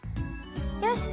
よし。